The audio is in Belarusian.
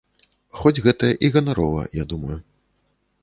Хоць гэта і ганарова, я думаю.